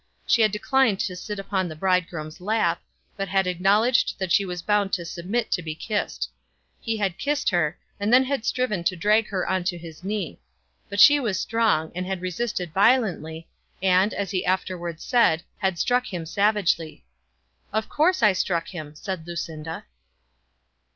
She had declined to sit upon the bridegroom's lap, but had acknowledged that she was bound to submit to be kissed. He had kissed her, and then had striven to drag her on to his knee. But she was strong, and had resisted violently, and, as he afterwards said, had struck him savagely. "Of course I struck him," said Lucinda.